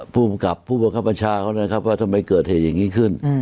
ผู้บังคับประชาเขานะครับว่าทำไมเกิดเหตุอย่างนี้ขึ้น